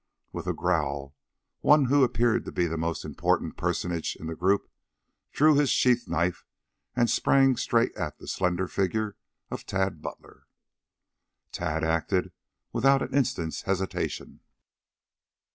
With a growl, one who appeared to be the most important personage in the group drew his sheath knife and sprang straight at the slender figure of Tad Butler. Tad acted without an instant's hesitation.